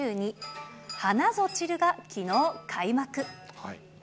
ハナゾチルがきのう、開幕。